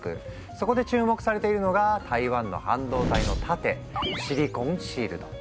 そこで注目されているのが台湾の半導体の盾「シリコンシールド」。